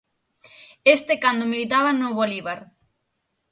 Este cando militaba no Bolívar.